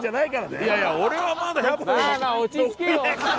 いやいや俺はまだ百歩譲って。